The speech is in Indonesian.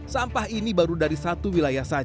sampah ini baru dari satu wilayah jakarta selatan